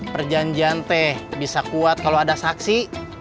perjanjian teh bisa kuat kalau ada saksi